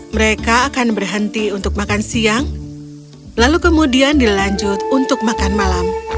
mereka akan berhenti untuk makan siang lalu kemudian dilanjut untuk makan malam